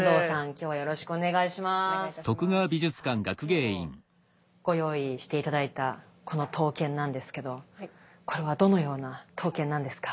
今日ご用意して頂いたこの刀剣なんですけどこれはどのような刀剣なんですか？